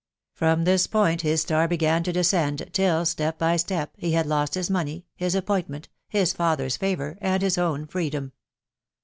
From this point his star began to descend, till, step by step, he had lost his money, his ap pointment, his father s favour, and his own freedom.